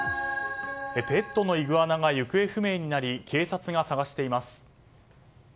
ペットのイグアナが行方不明になり警察が探しています。